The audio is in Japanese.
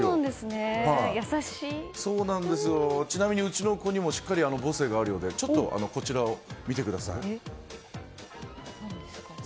ちなみに、うちの子にもしっかり母性があるようでちょっとこちらを見てください。